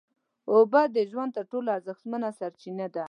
اوبه د ژوند تر ټولو ارزښتمنه سرچینه ده